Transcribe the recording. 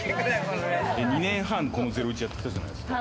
２年半、この『ゼロイチ』やってきたじゃないですか。